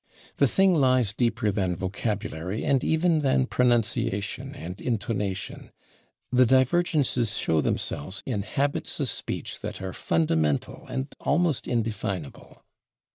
The thing lies deeper than vocabulary and [Pg140] even than pronunciation and intonation; the divergences show themselves in habits of speech that are fundamental and almost indefinable.